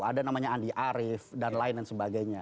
ada namanya andi arief dan lain lain sebagainya